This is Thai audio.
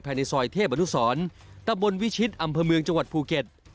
ภายในซอยเทพอนุสรตะบนวิชิตอำเภอเมืองจังหวัดภูเก็ต